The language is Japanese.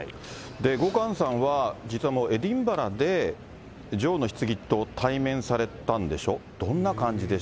後閑さんは実はもうエディンバラで、女王のひつぎと対面されたんでしょう？